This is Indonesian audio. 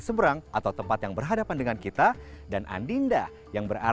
seberang atau tempat yang berhadapan dengan kita dan andinda yang berkan atau tempatsyamantungan yangkum jenis khusus